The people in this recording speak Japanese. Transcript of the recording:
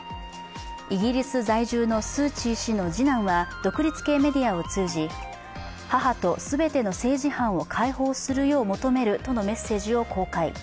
イギリス在住のスー・チー氏の次男は独立系メディアを通じ母とすべての政治犯を解放するよう求めるとのメッセージを公開。